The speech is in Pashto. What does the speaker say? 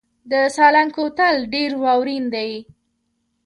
د سالنګ کوتل ډیر واورین دی